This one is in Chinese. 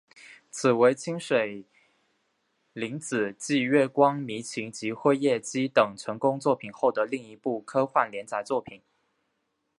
此为清水玲子继月光迷情及辉夜姬等成功作品后的另一部科幻连载作品。